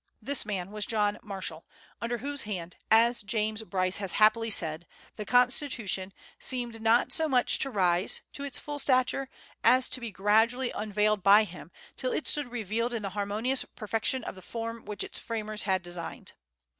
This man was John Marshall, under whose hand, as James Bryce has happily said, the Constitution "seemed not so much to rise ... to its full stature, as to be gradually unveiled by him, till it stood revealed in the harmonious perfection of the form which its framers had designed."